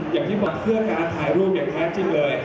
อย่างที่บอกเพื่อการถ่ายรูปอย่างแท้จริงเลย